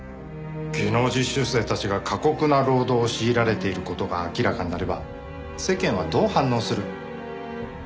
技能実習生たちが過酷な労働を強いられている事が明らかになれば世間はどう反応する？